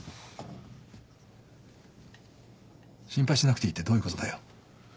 心配しなくていいってどういうことだよ？